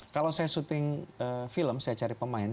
kalau saya syuting film saya cari pemain